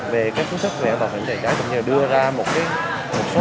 về các phương thức về an toàn phòng cháy cháy